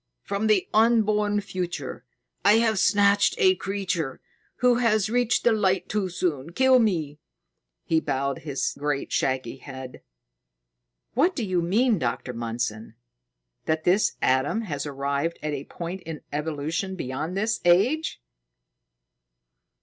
From the unborn future, I have snatched a creature who has reached the Light too soon. Kill me!" He bowed his great, shaggy head. "What do you mean, Dr. Mundson: that this Adam has arrived at a point in evolution beyond this age?"